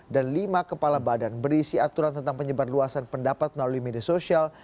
dan lima kepala badan berisi aturan tentang penyebar luasan pendapat melalui media sosial